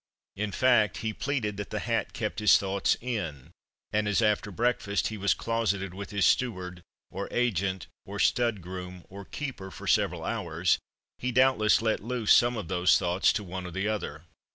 In fact, he pleaded that the hat kept his thoughts in; and as after breakfast he was closeted with his steward, or agent, or stud groom, or keeper, for several hours, he doubtless let loose some of those thoughts to one or the other.